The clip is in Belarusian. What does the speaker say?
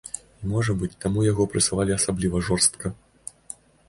І можа быць, таму яго прэсавалі асабліва жорстка.